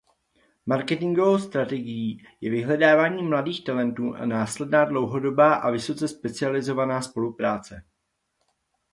Marketingovou strategií je vyhledávání mladých talentů a následná dlouhodobá a vysoce specializovaná spolupráce.